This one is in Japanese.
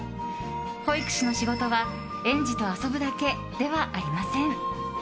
保育士の仕事は園児と遊ぶだけではありません。